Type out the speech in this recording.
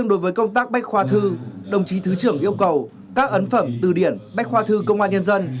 đối với công tác bách khoa thư đồng chí thứ trưởng yêu cầu các ấn phẩm từ điển bách khoa thư công an nhân dân